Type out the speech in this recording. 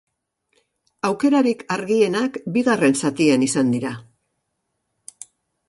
Aukerarik argienak bigarren zatian izan dira.